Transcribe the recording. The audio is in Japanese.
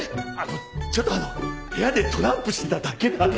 ちょっとあの部屋でトランプしてただけだって。